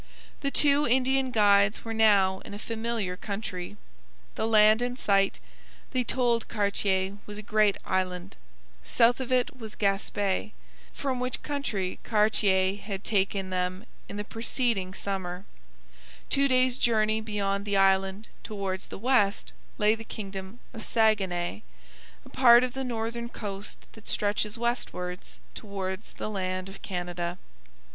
The two Indian guides were now in a familiar country. The land in sight, they told Cartier, was a great island; south of it was Gaspe, from which country Cartier had taken them in the preceding summer; two days' journey beyond the island towards the west lay the kingdom of Saguenay, a part of the northern coast that stretches westwards towards the land of Canada.